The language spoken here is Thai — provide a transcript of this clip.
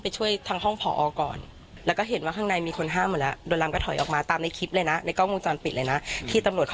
ไปตามห้ามไอ้พวกทางนั้นของเหตุการณ์เนี้ยคือเราไม่ได้เป็นตัวตามตัวที่ไม่ได้เข้าไปตั้งแต่วินาทีแรก